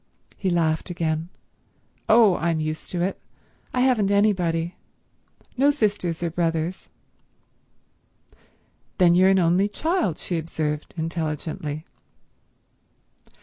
He laughed again. "Oh I'm used to it. I haven't anybody. No sisters or brothers." "Then you're an only child," she observed intelligently.